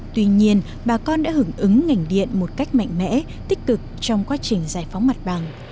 tuy nhiên bà con đã hưởng ứng ngành điện một cách mạnh mẽ tích cực trong quá trình giải phóng mặt bằng